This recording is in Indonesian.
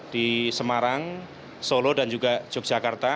di semarang solo dan juga yogyakarta